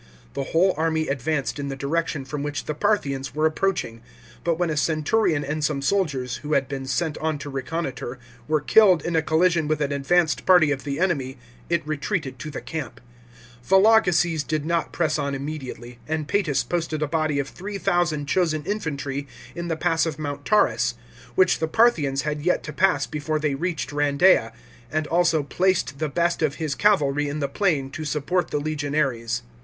The whole army advanced in the direction from which the Parthians were approaching, but when a centurion and some soldiers, who had been sent on to reconnoitre, were killed in a collision with an advanced party of the enemy, it retreated to the camp. Vologeses did not press on immediately, and Paetus posted a body of 3000 chosen infantry in the pass of Mount Taurus, which the Parthians had yet to pass before they reached Kandeia, and also placed the best of his cavalry in the plain to support the legionaries.